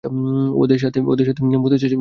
ওদের সাথে মরতে চাচ্ছেন নাকি?